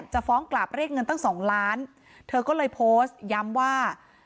จะฟ้องกลับเรียกเงินตั้งสองล้านเธอก็เลยโพสต์ย้ำว่า